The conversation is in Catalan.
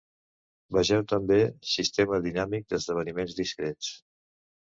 Vegeu també, Sistema dinàmic d'esdeveniments discrets.